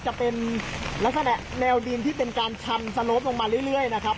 จะเป็นลักษณะแนวดินที่เป็นการชันสโลปลงมาเรื่อยนะครับ